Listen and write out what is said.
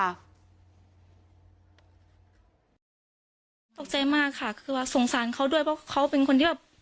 ตกใจมากค่ะคือว่าสงสารเขาด้วยเพราะเขาเป็นคนที่แบบ